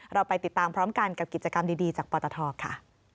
เราไปติดตามพร้อมกันกับกิจกรรมดีจากปตทค่ะ